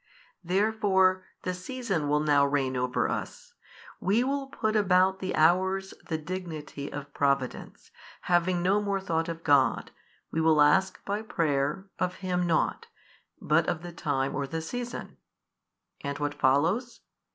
Therefore the season will now reign over us, we will put about the hours the dignity of Providence, having no more thought of God, we will ask by prayer, of Him nought, but of the time or the season. And what follows?